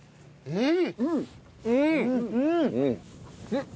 うん！